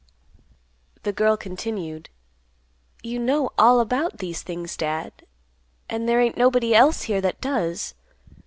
The girl continued; "You know all about these things, Dad. And there ain't nobody else here that does.